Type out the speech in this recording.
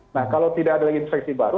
nah kalau tidak ada lagi infeksi baru